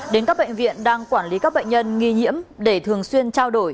đến các bệnh viện đang quản lý các bệnh nhân nghi nhiễm để thường xuyên trao đổi